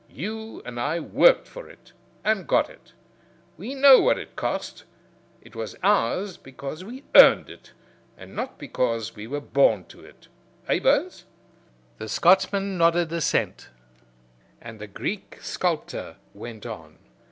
You and I worked for it and got it. We know what it cost. It was ours because we earned it, and not because we were born to it. Eh, Burns?" The Scotchman nodded assent, and the Greek sculptor went on.